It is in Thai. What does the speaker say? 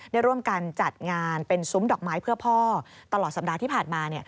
ได้ร่วมกันจัดงานเป็นซุ้มดอกไม้เพื่อพ่อตลอดสัปดาห์ที่ผ่านมา